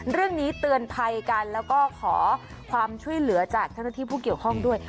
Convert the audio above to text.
เรื่องนี้เตือนภัยกันแล้วก็ขอความช่วยเหลือจากเจ้าหน้าที่ผู้เกี่ยวข้องด้วย